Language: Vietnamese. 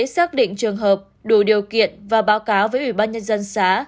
trạm y tế xác định trường hợp đủ điều kiện và báo cáo với ủy ban nhân dân xã